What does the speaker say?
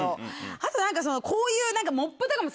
あと何かこういう。